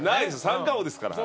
三冠王ですから。